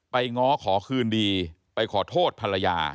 ง้อขอคืนดีไปขอโทษภรรยา